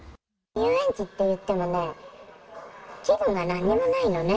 遊園地っていってもね、器具が何もないのね。